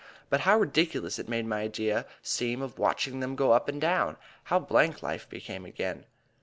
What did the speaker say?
But how ridiculous it made my idea seem of watching them go up and down! How blank life became again!